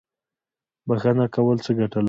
بخښنه کول څه ګټه لري؟